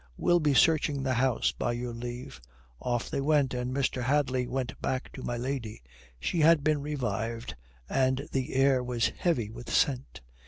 We'll be searching the house, by your leave." Off they went, and Mr. Hadley went back to my lady. She had been revived, and the air was heavy with scent.